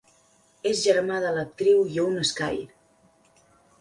És germà de l'actriu Ione Skye.